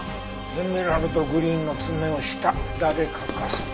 エメラルドグリーンの爪をした誰かか。